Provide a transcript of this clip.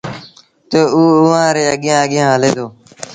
تا اوٚ اُئآݩٚ ري اڳيآنٚ اڳيآنٚ هلي دو